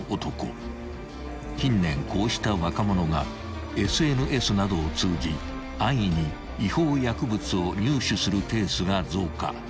［近年こうした若者がＳＮＳなどを通じ安易に違法薬物を入手するケースが増加］